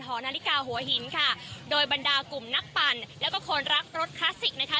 หอนาฬิกาหัวหินค่ะโดยบรรดากลุ่มนักปั่นแล้วก็คนรักรถคลาสสิกนะคะ